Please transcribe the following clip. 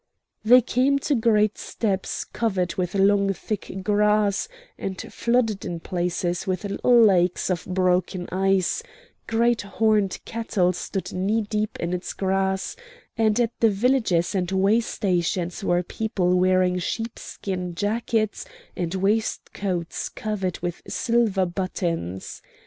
Then they came to great steppes covered with long thick grass, and flooded in places with little lakes of broken ice; great horned cattle stood knee deep in this grass, and at the villages and way stations were people wearing sheepskin jackets and waistcoats covered with silver buttons.